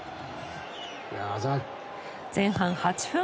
前半８分。